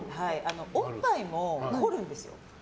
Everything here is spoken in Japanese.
おっぱいも凝るんですよ。